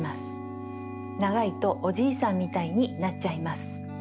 ながいとおじいさんみたいになっちゃいます。